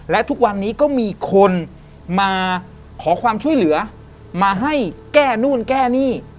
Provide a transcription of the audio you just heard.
และทุกวันนี้ก็มีคนมาขอความช่วยเหลือมาให้แก้นู่นแก้นี่